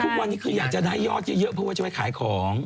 ทุกวันนี้คืออยากจะได้ยอดเยอะเพราะว่าจะไปขายของ